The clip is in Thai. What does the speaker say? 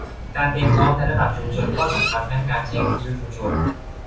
การเตรียมพร้อมในระดับชุมชนก็สำคัญทั้งการใช้วิทยุชุมชน